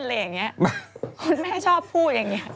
คุณแม่ชอบพูดอย่างนี้